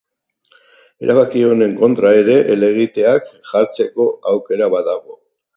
Erabaki honen kontra ere helegiteak jartzeko aukera badago.